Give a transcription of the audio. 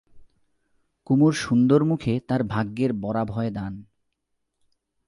কুমুর সুন্দর মুখে তার ভাগ্যের বরাভয় দান।